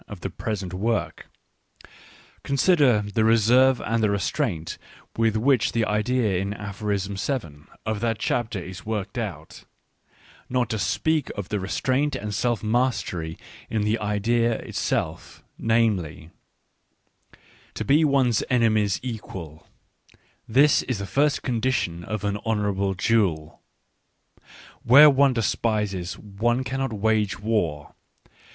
of the present work; con siderthe reserve and the restraint with which the idea in Aphorism 7 of that chapter is worked out, — not to speak of the restraint and self mastery in the idea itself, namely :—" To be one's enemy's equal — this is the first condition of an honourable duel. Where one despises one cannot wage war.